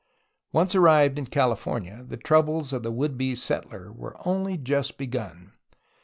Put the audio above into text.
Once arrived in California the troubles of the would be settler were only just begun.